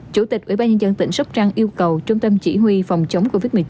chủ tịch ubnd tỉnh sóc trăng yêu cầu trung tâm chỉ huy phòng chống covid một mươi chín